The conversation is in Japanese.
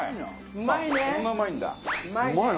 うまい！